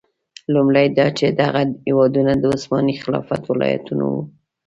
لومړی دا چې دغه هېوادونه د عثماني خلافت ولایتونه وو.